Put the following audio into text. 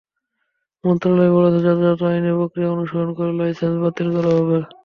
মন্ত্রণালয় বলেছে, যথাযথ আইনি প্রক্রিয়া অনুসরণ করে লাইসেন্স বাতিল করা হবে।